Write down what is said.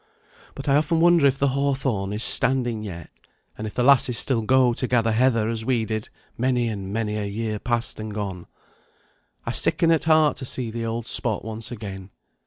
But I often wonder if the hawthorn is standing yet, and if the lasses still go to gather heather, as we did many and many a year past and gone. I sicken at heart to see the old spot once again.